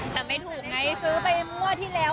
แต่ไม่ถูกไงซื้อไปมั่วที่แล้ว